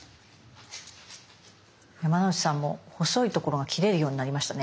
山之内さんも細いところが切れるようになりましたね。